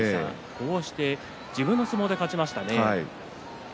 こうして自分の相撲で勝ちました